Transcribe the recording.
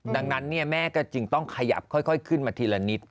ดังนั้นแม่ก็จึงต้องขยับค่อยขึ้นมาทีละนิด